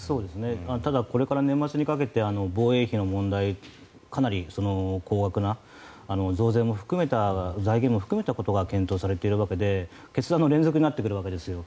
ただ、これから年末にかけて防衛費の問題かなり高額な増税も含めた財源も含めたことが検討されているので決断が連続しているんですよ。